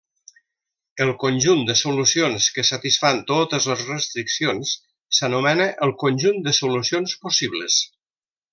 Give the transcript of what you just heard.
El conjunt de solucions que satisfan totes les restriccions s'anomena el conjunt de solucions possibles.